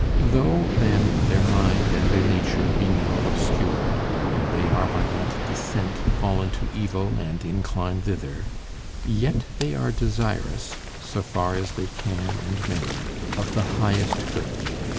Though, then, their mind and their nature be now obscured, and they are by that descent fallen to evil and inclined thither, yet they are desirous, so far as they can and may, of the highest good.